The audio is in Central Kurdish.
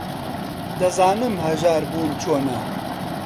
دەزانم ھەژار بوون چۆنە.